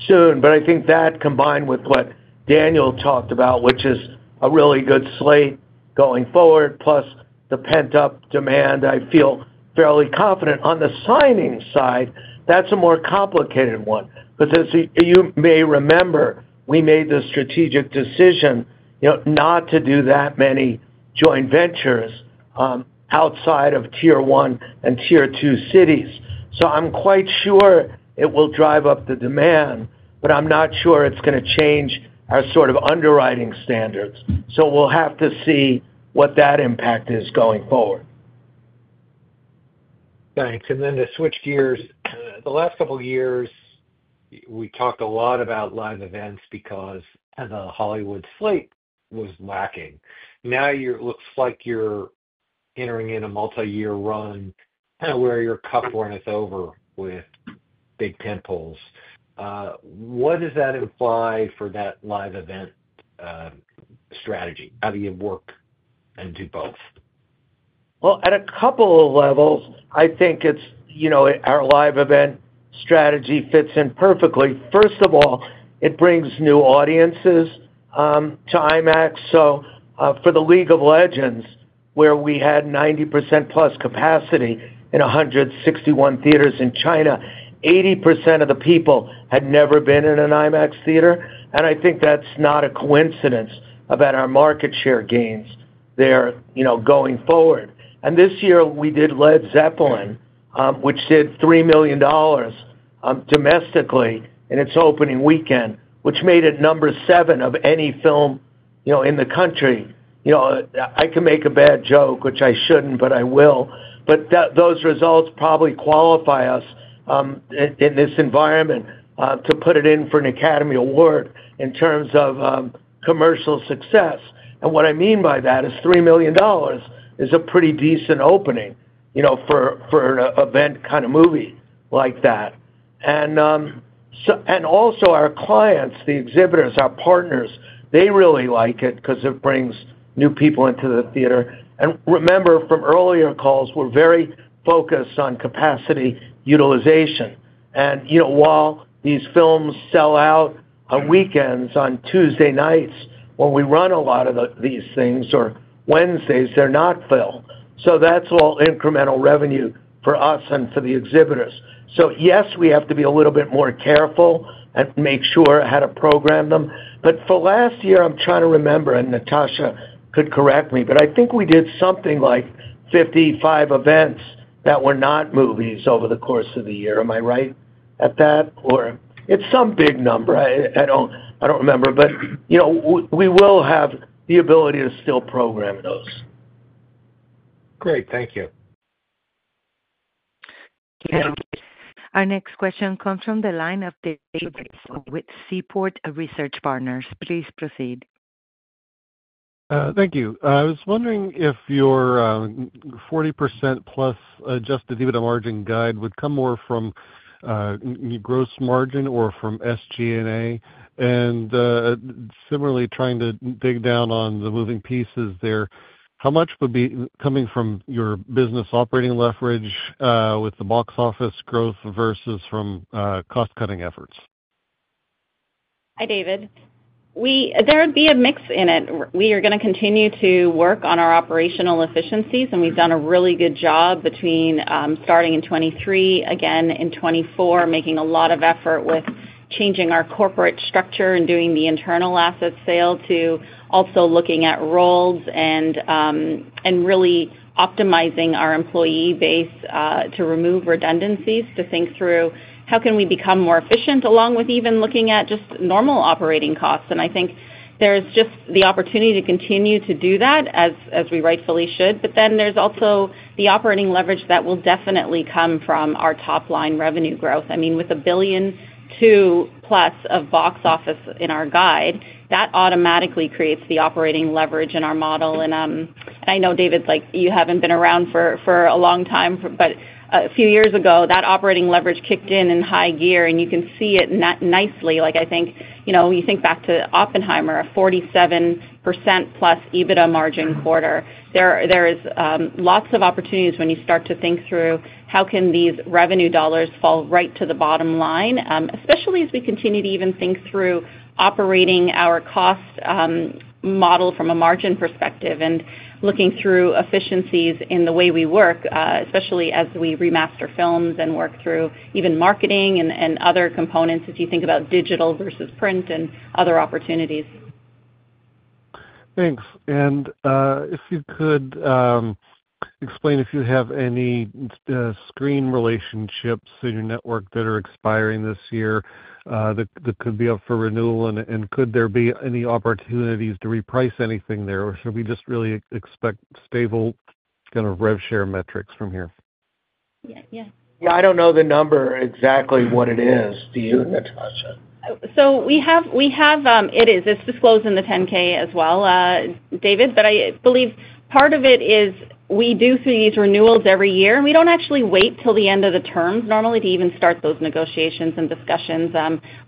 soon. But I think that combined with what Daniel talked about, which is a really good slate going forward, plus the pent-up demand, I feel fairly confident. On the signing side, that's a more complicated one because, as you may remember, we made the strategic decision not to do that many joint ventures outside of Tier one and Tier two cities. So I'm quite sure it will drive up the demand, but I'm not sure it's going to change our sort of underwriting standards. So we'll have to see what that impact is going forward. Thanks. And then to switch gears, the last couple of years, we talked a lot about live events because the Hollywood slate was lacking. Now, it looks like you're entering in a multi-year run kind of where your cup runneth over with big tentpoles. What does that imply for that live event strategy? How do you work and do both? Well, at a couple of levels, I think our live event strategy fits in perfectly. First of all, it brings new audiences to IMAX. So for League of Legends, where we had 90% plus capacity in 161 theaters in China, 80% of the people had never been in an IMAX theater. And I think that's not a coincidence about our market share gains there going forward. This year, we did Becoming Led Zeppelin, which did $3 million domestically in its opening weekend, which made it number seven of any film in the country. I can make a bad joke, which I shouldn't, but I will. Those results probably qualify us in this environment to put it in for an Academy Award in terms of commercial success. What I mean by that is $3 million is a pretty decent opening for an event kind of movie like that. Also, our clients, the exhibitors, our partners, they really like it because it brings new people into the theater. Remember, from earlier calls, we're very focused on capacity utilization. While these films sell out on weekends, on Tuesday nights, when we run a lot of these things, or Wednesdays, they're not filled. That's all incremental revenue for us and for the exhibitors. So yes, we have to be a little bit more careful and make sure how to program them. But for last year, I'm trying to remember, and Natasha could correct me, but I think we did something like 55 events that were not movies over the course of the year. Am I right at that? Or it's some big number. I don't remember. But we will have the ability to still program those. Great. Thank you. Our next question comes from the line of the <inaudible> Seaport Research Partners. Please proceed. Thank you. I was wondering if your 40%+ Adjusted EBITDA margin guide would come more from gross margin or from SG&A. And similarly, trying to dig down on the moving pieces there, how much would be coming from your business operating leverage with the box office growth versus from cost-cutting efforts? Hi, David. There would be a mix in it. We are going to continue to work on our operational efficiencies, and we've done a really good job between starting in 2023, again in 2024, making a lot of effort with changing our corporate structure and doing the internal asset sale to also looking at roles and really optimizing our employee base to remove redundancies to think through how can we become more efficient along with even looking at just normal operating costs. And I think there's just the opportunity to continue to do that as we rightfully should. But then there's also the operating leverage that will definitely come from our top-line revenue growth. I mean, with a billion-plus of box office in our guide, that automatically creates the operating leverage in our model. I know, David, you haven't been around for a long time, but a few years ago, that operating leverage kicked in in high gear, and you can see it nicely. I think you think back to Oppenheimer, a 47%+ EBITDA margin quarter. There is lots of opportunities when you start to think through how can these revenue dollars fall right to the bottom line, especially as we continue to even think through operating our cost model from a margin perspective and looking through efficiencies in the way we work, especially as we remaster films and work through even marketing and other components as you think about digital versus print and other opportunities. Thanks. And if you could explain if you have any screen relationships in your network that are expiring this year that could be up for renewal, and could there be any opportunities to reprice anything there, or should we just really expect stable kind of rev share metrics from here? Yeah. Yeah. Yeah. I don't know the number exactly what it is. Do you, Natasha? So we have it. It's disclosed in the 10-K as well, David, but I believe part of it is we do see these renewals every year. We don't actually wait till the end of the term normally to even start those negotiations and discussions.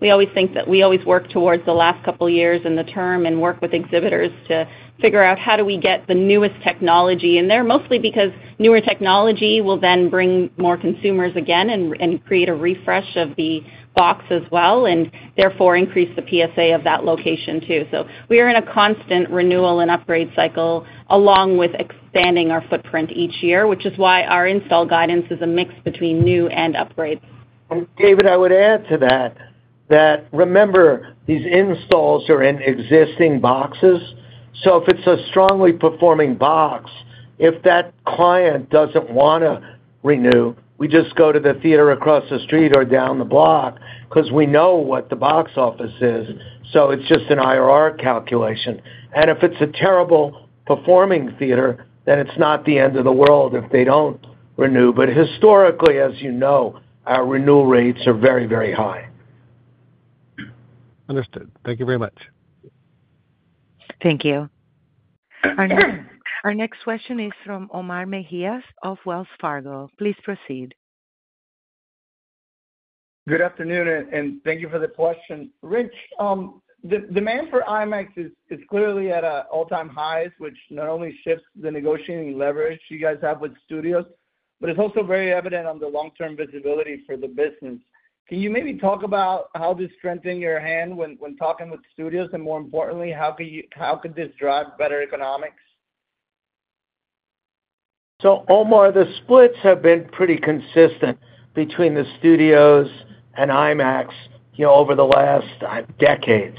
We always think that we always work towards the last couple of years in the term and work with exhibitors to figure out how do we get the newest technology in there, mostly because newer technology will then bring more consumers again and create a refresh of the box as well and therefore increase the PSA of that location too. So we are in a constant renewal and upgrade cycle along with expanding our footprint each year, which is why our install guidance is a mix between new and upgrades. And David, I would add to that that remember these installs are in existing boxes. So if it's a strongly performing box, if that client doesn't want to renew, we just go to the theater across the street or down the block because we know what the box office is. So it's just an IRR calculation. And if it's a terrible performing theater, then it's not the end of the world if they don't renew. But historically, as you know, our renewal rates are very, very high. Understood. Thank you very much. Thank you. Our next question is from Omar Mejias of Wells Fargo. Please proceed. Good afternoon, and thank you for the question. Rich, the demand for IMAX is clearly at all-time highs, which not only shifts the negotiating leverage you guys have with studios, but it's also very evident on the long-term visibility for the business. Can you maybe talk about how this strengthened your hand when talking with studios? And more importantly, how could this drive better economics? So Omar, the splits have been pretty consistent between the studios and IMAX over the last decades.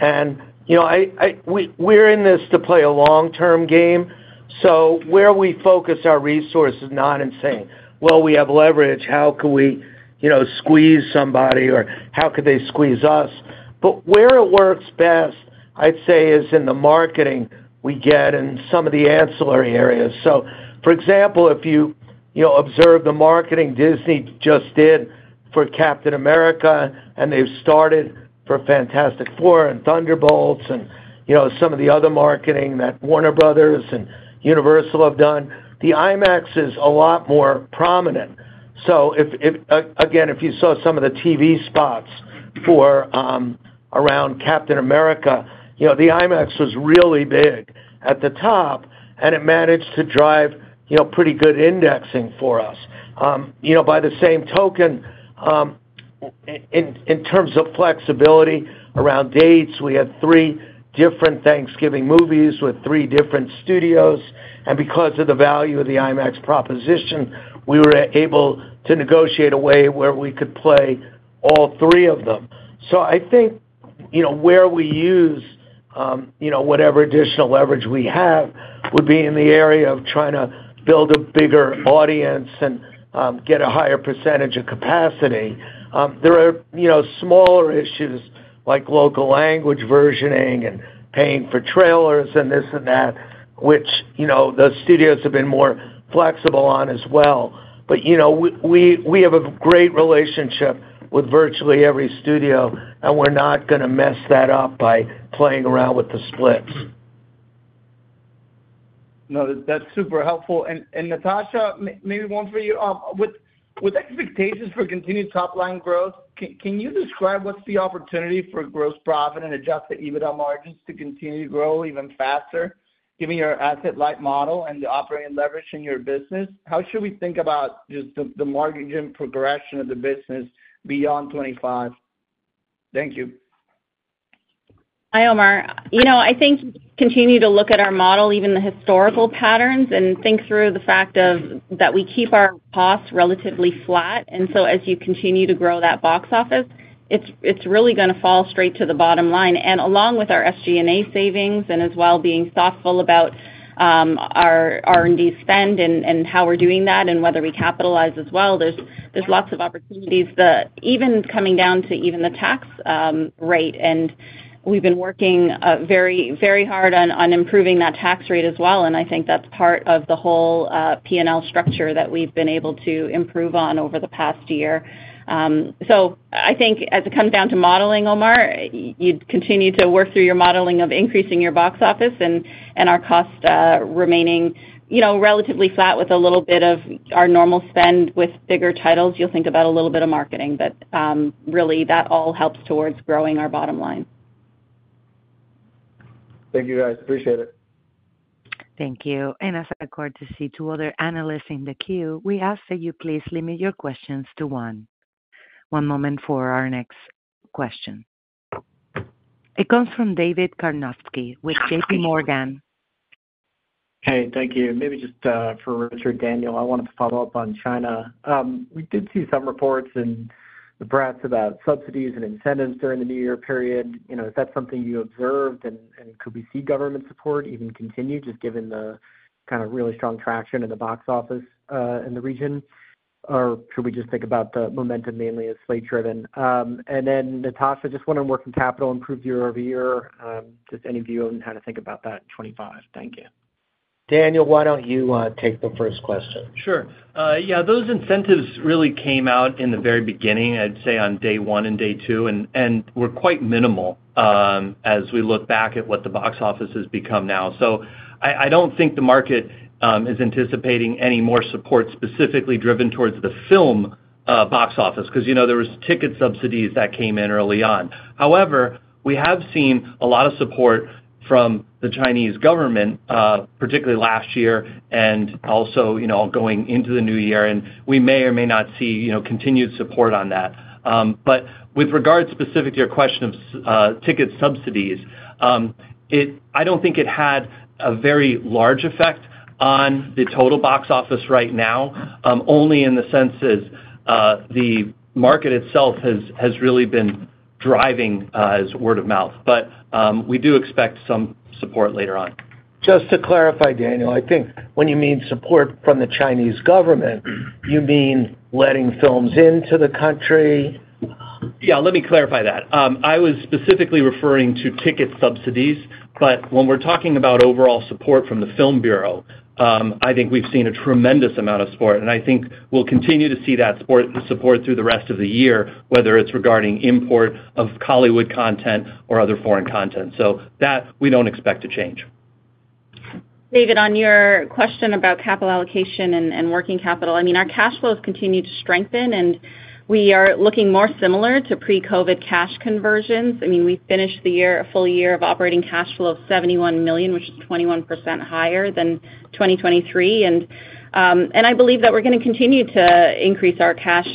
And we're in this to play a long-term game. So where we focus our resources is not insane. We have leverage. How can we squeeze somebody, or how could they squeeze us? But where it works best, I'd say, is in the marketing we get in some of the ancillary areas. So for example, if you observe the marketing Disney just did for Captain America, and they've started for Fantastic Four and Thunderbolts and some of the other marketing that Warner Bros. and Universal have done, the IMAX is a lot more prominent. So again, if you saw some of the TV spots around Captain America, the IMAX was really big at the top, and it managed to drive pretty good indexing for us. By the same token, in terms of flexibility around dates, we had three different Thanksgiving movies with three different studios. And because of the value of the IMAX proposition, we were able to negotiate a way where we could play all three of them. So I think where we use whatever additional leverage we have would be in the area of trying to build a bigger audience and get a higher percentage of capacity. There are smaller issues like local language versioning and paying for trailers and this and that, which the studios have been more flexible on as well. But we have a great relationship with virtually every studio, and we're not going to mess that up by playing around with the splits. No, that's super helpful. And Natasha, maybe one for you. With expectations for continued top-line growth, can you describe what's the opportunity for gross profit and Adjusted EBITDA margins to continue to grow even faster given your asset-light model and the operating leverage in your business? How should we think about just the margin progression of the business beyond 2025? Thank you. Hi, Omar. I think continue to look at our model, even the historical patterns, and think through the fact that we keep our costs relatively flat, and so as you continue to grow that box office, it's really going to fall straight to the bottom line. Along with our SG&A savings and as well being thoughtful about our R&D spend and how we're doing that and whether we capitalize as well, there's lots of opportunities even coming down to even the tax rate. We've been working very hard on improving that tax rate as well. I think that's part of the whole P&L structure that we've been able to improve on over the past year. So I think as it comes down to modeling, Omar, you'd continue to work through your modeling of increasing your box office and our cost remaining relatively flat with a little bit of our normal spend with bigger titles. You'll think about a little bit of marketing. But really, that all helps towards growing our bottom line. Thank you, guys. Appreciate it. Thank you. And as I look to see two other analysts in the queue, we ask that you please limit your questions to one. One moment for our next question. It comes from David Karnovsky with JPMorgan. Hey, thank you. Maybe just for Rich and Daniel, I wanted to follow up on China. We did see some reports in the press about subsidies and incentives during the new year period. Is that something you observed and could we see government support even continue just given the kind of really strong traction in the box office in the region? Or should we just think about the momentum mainly as slate-driven? And then, Natasha, just wondering where can capital improve year-over-year? Just any view on how to think about that in 2025. Thank you. Daniel, why don't you take the first question? Sure. Yeah. Those incentives really came out in the very beginning, I'd say on day one and day two, and were quite minimal as we look back at what the box office has become now. So I don't think the market is anticipating any more support specifically driven towards the film box office because there were ticket subsidies that came in early on. However, we have seen a lot of support from the Chinese government, particularly last year and also going into the new year. And we may or may not see continued support on that. But with regard specific to your question of ticket subsidies, I don't think it had a very large effect on the total box office right now, only in the sense as the market itself has really been driving as word of mouth. But we do expect some support later on. Just to clarify, Daniel, I think when you mean support from the Chinese government, you mean letting films into the country? Yeah. Let me clarify that. I was specifically referring to ticket subsidies. But when we're talking about overall support from the Film Bureau, I think we've seen a tremendous amount of support. I think we'll continue to see that support through the rest of the year, whether it's regarding import of Hollywood content or other foreign content. That we don't expect to change. David, on your question about capital allocation and working capital, I mean, our cash flows continue to strengthen, and we are looking more similar to pre-COVID cash conversions. I mean, we finished full year of operating cash flow of $71 million, which is 21% higher than 2023. I believe that we're going to continue to increase our cash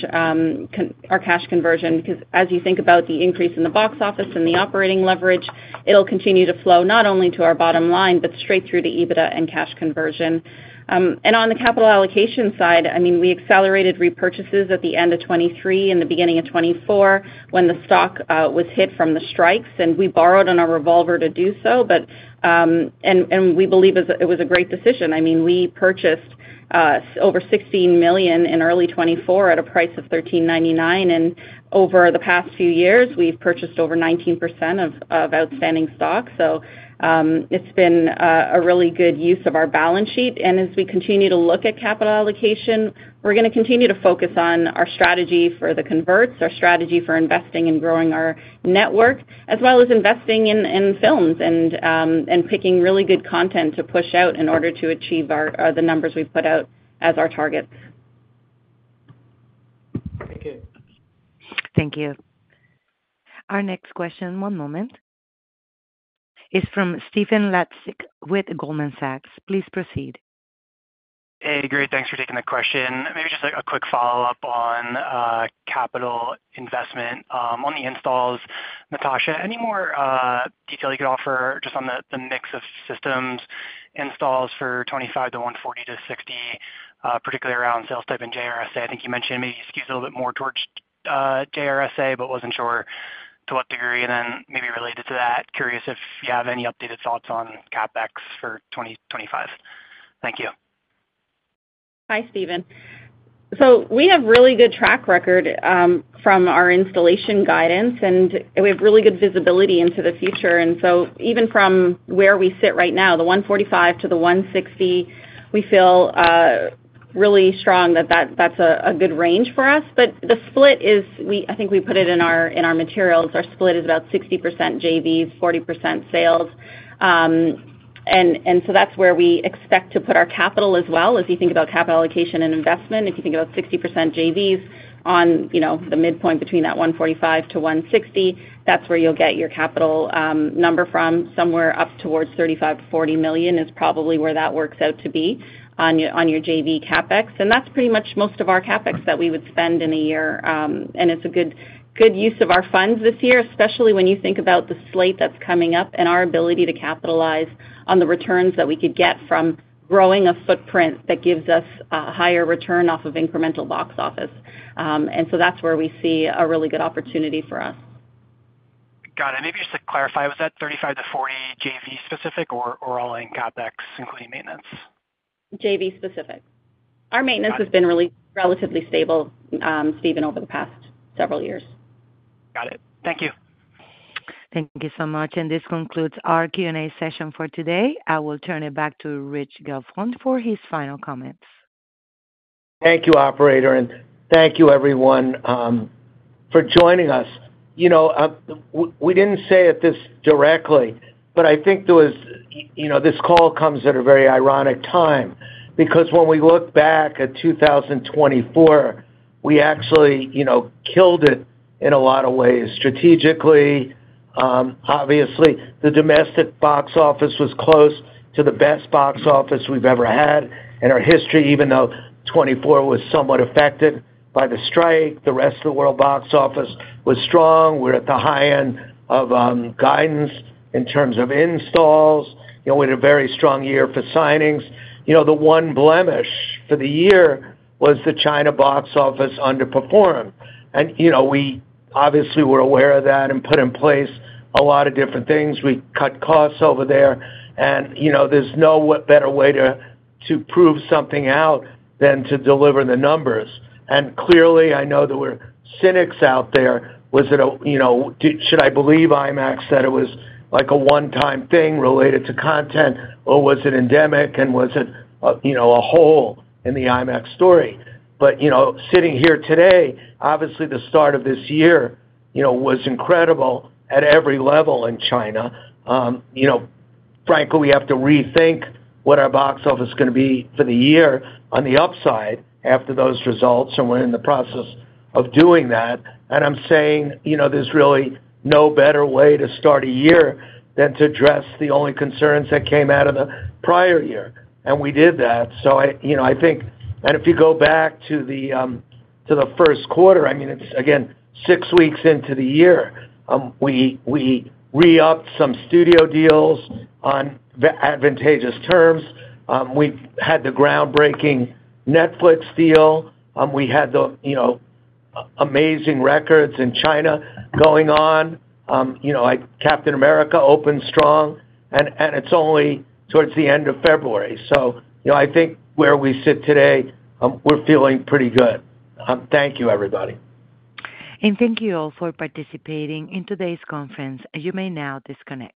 conversion because as you think about the increase in the box office and the operating leverage, it'll continue to flow not only to our bottom line but straight through to EBITDA and cash conversion. On the capital allocation side, I mean, we accelerated repurchases at the end of 2023 and the beginning of 2024 when the stock was hit from the strikes, and we borrowed on a revolver to do so. We believe it was a great decision. I mean, we purchased over $16 million in early 2024 at a price of $13.99. Over the past few years, we've purchased over 19% of outstanding stock. It's been a really good use of our balance sheet. As we continue to look at capital allocation, we're going to continue to focus on our strategy for the converts, our strategy for investing and growing our network, as well as investing in films and picking really good content to push out in order to achieve the numbers we've put out as our targets. Thank you. Thank you. Our next question, one moment, is from Stephen Laszczyk with Goldman Sachs. Please proceed. Hey, great. Thanks for taking the question. Maybe just a quick follow-up on capital investment on the installs. Natasha, any more detail you could offer just on the mix of systems, installs for '25 to '40 to 60, particularly around sales type and JRSA? I think you mentioned maybe skews a little bit more towards JRSA, but wasn't sure to what degree. And then maybe related to that, curious if you have any updated thoughts on CapEx for 2025. Thank you. Hi, Stephen. So we have really good track record from our installation guidance, and we have really good visibility into the future. And so even from where we sit right now, the 145 to the 160, we feel really strong that that's a good range for us. But the split is, I think we put it in our materials, our split is about 60% JVs, 40% sales. And so that's where we expect to put our capital as well. As you think about capital allocation and investment, if you think about 60% JVs on the midpoint between that 145-160, that's where you'll get your capital number from. Somewhere up towards $35 million-$40 million is probably where that works out to be on your JV CapEx. And that's pretty much most of our CapEx that we would spend in a year. And it's a good use of our funds this year, especially when you think about the slate that's coming up and our ability to capitalize on the returns that we could get from growing a footprint that gives us a higher return off of incremental box office. And so that's where we see a really good opportunity for us. Got it. Maybe just to clarify, was that $35 million-$40 million JV specific or all in CapEx, including maintenance? JV specific. Our maintenance has been really relatively stable, Steven, over the past several years. Got it. Thank you. Thank you so much. And this concludes our Q&A session for today. I will turn it back to Rich Gelfond for his final comments. Thank you, operator. And thank you, everyone, for joining us. We didn't say it this directly, but I think this call comes at a very ironic time because when we look back at 2024, we actually killed it in a lot of ways. Strategically, obviously, the domestic box office was close to the best box office we've ever had in our history, even though 2024 was somewhat affected by the strike. The rest of the world box office was strong. We're at the high end of guidance in terms of installs. We had a very strong year for signings. The one blemish for the year was the China box office underperformance. And we obviously were aware of that and put in place a lot of different things. We cut costs over there. And there's no better way to prove something out than to deliver the numbers. And clearly, I know that there are cynics out there. Was it or should I believe IMAX that it was like a one-time thing related to content, or was it endemic, and was it a hole in the IMAX story? But sitting here today, obviously, the start of this year was incredible at every level in China. Frankly, we have to rethink what our box office is going to be for the year on the upside after those results, and we're in the process of doing that, and I'm saying there's really no better way to start a year than to address the only concerns that came out of the prior year, and we did that, so I think, and if you go back to the first quarter, I mean, it's again, six weeks into the year, we re-upped some studio deals on advantageous terms. We had the groundbreaking Netflix deal. We had the amazing records in China going on. Captain America opened strong, and it's only towards the end of February, so I think where we sit today, we're feeling pretty good. Thank you, everybody, and thank you all for participating in today's conference. You may now disconnect.